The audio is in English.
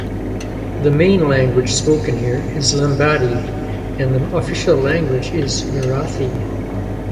The main language spoken here is Lambadi and the official language is Marathi.